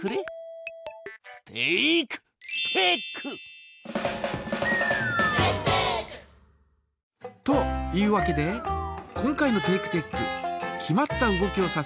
「テイクテック」！というわけで今回のテイクテック「決まった動きをさせる」